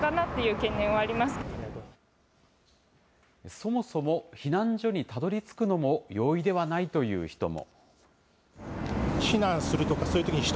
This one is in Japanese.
そもそも避難所にたどりつくのも容易ではないという人も。